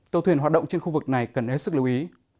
tàu thuyền hoạt động trên khu vực này cần hết sức lưu ý